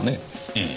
ええ。